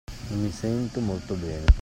Non mi sento molto bene.